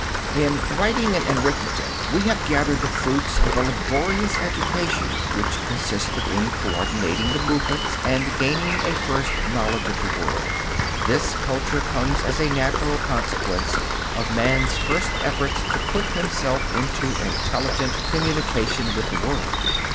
In writing and arithmetic we have gathered the fruits of a laborious education which consisted in coordinating the movements and gaining a first knowledge of the world. This culture comes as a natural consequence of man's first efforts to put himself into intelligent communication with the world.